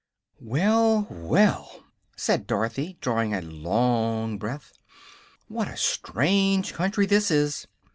"Well, well!" said Dorothy, drawing a long breath, "What a strange country this is."